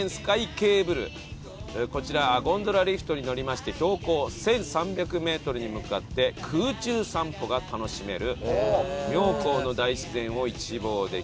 こちらゴンドラリフトに乗りまして標高１３００メートルに向かって空中散歩が楽しめる妙高の大自然を一望できます。